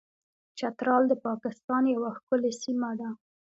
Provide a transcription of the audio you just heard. چترال د پاکستان یوه ښکلې سیمه ده.